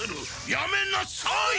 やめなさい！